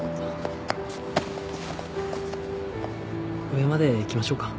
上まで行きましょうか。